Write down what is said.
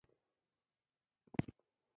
څه به زه په کوټه کښې پورکم.